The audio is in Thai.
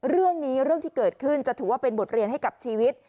เรื่องที่เกิดขึ้นจะถือว่าเป็นบทเรียนให้กับชีวิต